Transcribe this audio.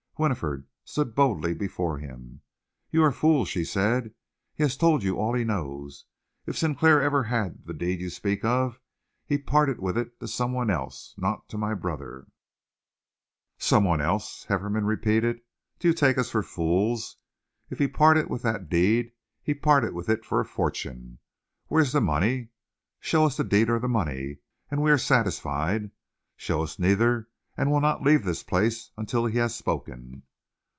Winifred stood up boldly before him. "You are fools!" she said. "He has told you all he knows. If Sinclair ever had the deed you speak of, he parted with it to someone else, not to my brother." "Someone else!" Hefferom repeated. "Do you take us for fools? If he parted with that deed, he parted with it for a fortune. Where's the money? Show us the deed or the money, and we are satisfied. Show us neither, and we'll not leave this place until he has spoken."